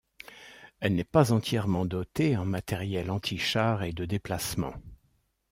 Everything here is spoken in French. Elle n'est pas entièrement dotée en matériel antichars et de déplacement.